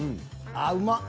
あっうまっ。